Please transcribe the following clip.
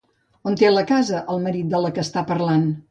On té una casa el marit de la que està parlant?